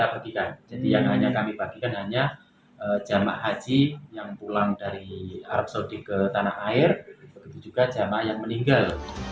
begitu juga jemaah yang meninggal